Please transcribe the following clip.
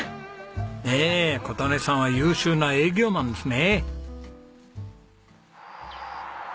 ねえ琴音さんは優秀な営業マンですね。